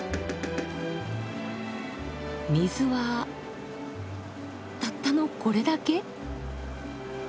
水はたったのこれだけ。